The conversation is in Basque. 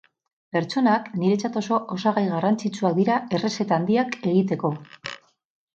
Pertsonak niretzat oso osagai garrantzitsuak dira errezeta handiak egiteko.